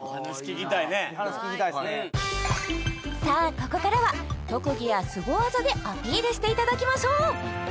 ここからは特技やスゴ技でアピールしていただきましょう